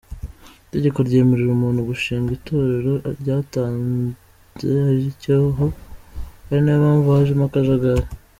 Itegeko ryemerera umuntu gushinga itorero ryatanze icyuho ari nayo mpamvu hajemo akajagari.